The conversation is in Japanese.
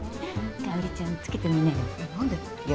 香ちゃんつけてみなよ。